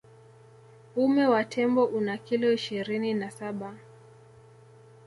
Uume wa tembo una kilo ishirini na saba